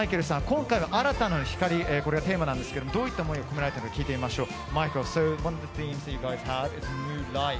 今回は「新たなる光」これがテーマなんですがどういった思いが込められているか聞いてみましょう。